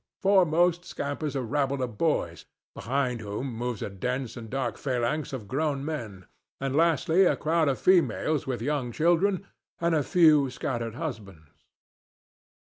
Foremost scampers a rabble of boys, behind whom moves a dense and dark phalanx of grown men, and lastly a crowd of females with young children and a few scattered husbands.